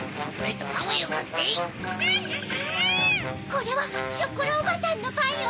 これはショコラおばさんのパンよ！